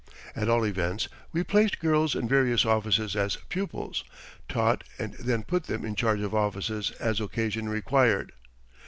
At all events, we placed girls in various offices as pupils, taught and then put them in charge of offices as occasion required.